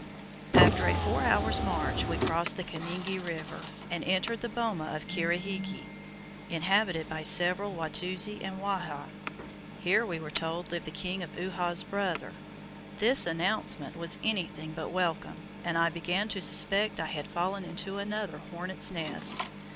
After a four hours' march, we crossed the Kanengi River, and entered the boma of Kahirigi, inhabited by several Watusi and Wahha. Here, we were told, lived the King of Uhha's brother. This announcement was anything but welcome, and I began to suspect I had fallen into another hornets' nest.